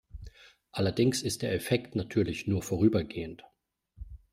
Allerdings ist der Effekt natürlich nur vorübergehend.